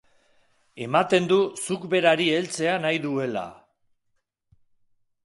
Ematen du zuk berari heltzea nahi duela...